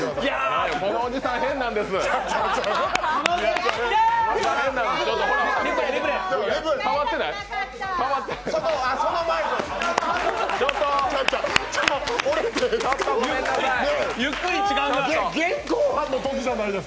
このおじさん変なんです。